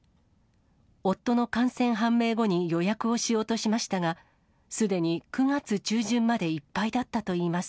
夫の感染判明後に予約をしようとしましたが、すでに９月中旬までいっぱいだったといいます。